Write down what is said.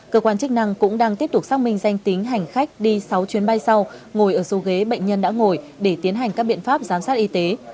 cơ quan chức năng cũng đang tiếp tục xác minh danh tính hành khách đi sáu chuyến bay sau ngồi ở số ghế bệnh nhân đã ngồi để tiến hành các biện pháp giám sát y tế